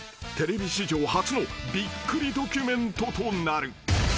［テレビ史上初のびっくりドキュメントとなる］